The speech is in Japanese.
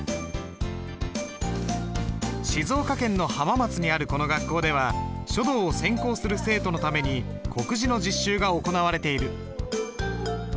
静岡県の浜松にあるこの学校では書道を専攻する生徒のために刻字の実習が行われている。